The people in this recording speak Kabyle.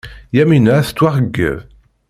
Yamina ad tettwaxeyyeb.